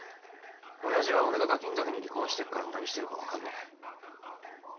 親父は俺がガキんときに離婚してっから何してるか分かんねえ。